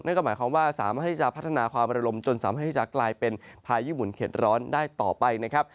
ก็หมายความว่าสามารถที่จะพัฒนาความระลมจนสามารถที่จะกลายเป็นพายุหุ่นเข็ดร้อนได้ต่อไปนะครับ